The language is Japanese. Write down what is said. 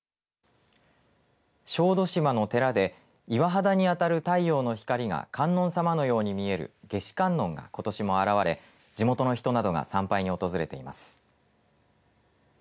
小豆島の寺で岩肌に当たる太陽の光が観音様のように見える夏至観音が、ことしも現れ地元の人などが参拝に訪れています。